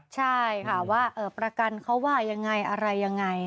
ใช่ค่ะว่าประกันเขาว่ายังไงอะไรยังไง